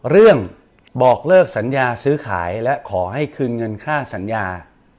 เรื่องบอกเลิกสัญญาซื้อขายและขอให้คืนเงินค่าสัญญา